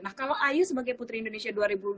nah kalau ayu sebagai putri indonesia dua ribu dua puluh